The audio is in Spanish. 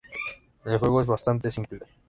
El juego es bastante simple.